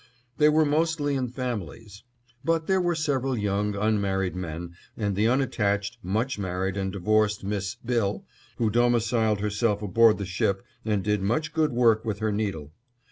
They were mostly in families; but there were several young, unmarried men, and the unattached, much married and divorced Miss "Bill," who domiciled herself aboard the ship and did much good work with her needle.